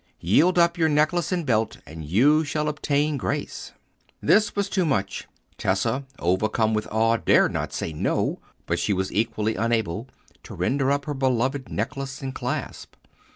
Yield up your necklace and belt, and you shall obtain grace." This was too much. Tessa, overcome with awe, dared not say "no," but she was equally unable to render up her beloved necklace and clasp.